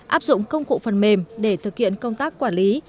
áp dụng công cụ phần mềm để thực hiện công tác quản lý